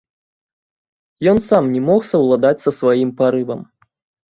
Ён сам не мог саўладаць са сваім парывам.